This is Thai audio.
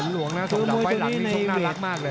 ฝนหลวงนะส่งจังไว้หลังมีโชคน่ารักมากเลย